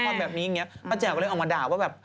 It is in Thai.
เมื่อกี้ยังบอกว่าเริ่มถ่ายแล้ว